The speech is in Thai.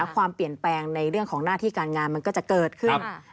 ความเปลี่ยนแปลงในเรื่องของหน้าที่การงานมันก็จะเกิดขึ้น